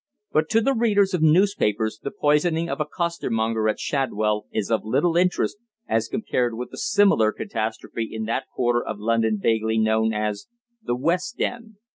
But to the readers of newspapers the poisoning of a costermonger at Shadwell is of little interest as compared with a similar catastrophe in that quarter of London vaguely known as "the West End."